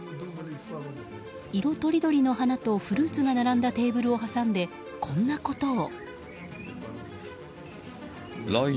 色とりどりの花とフルーツが並んだテーブルを挟んでこんなことを。